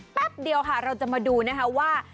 แป๊บเดียวค่ะเราจะมาดูนะคะว่า